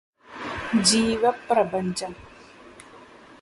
ജീവപ്രപഞ്ചം